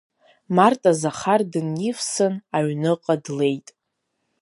Марҭа Захар дынивсын, аҩныҟа длеит.